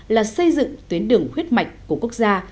là xây dựng tuyến đường huyết mạch của quốc gia